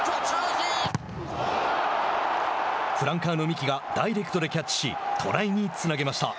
フランカーの三木がダイレクトでキャッチしトライにつなげました。